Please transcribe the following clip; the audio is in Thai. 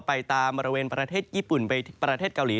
ตามบริเวณประเทศญี่ปุ่นไปประเทศเกาหลี